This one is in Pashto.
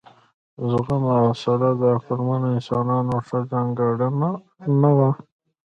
زغم او حوصله د عقلمنو انسانانو ښه ځانګړنه نه وه.